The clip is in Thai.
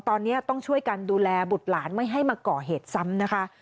ตอนนี้ต้องช่วยกันดูแลบุตรหลานไม่ให้มาก่อเหตุซ้ำนะคะ